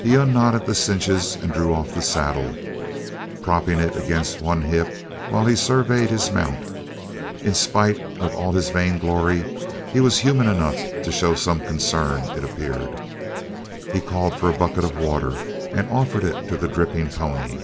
He unknotted the cinches and drew off the saddle, propping it against one hip while he surveyed his mount. In spite of all his vainglory he was human enough to show some concern, it appeared. He called for a bucket of water and offered it to the dripping pony.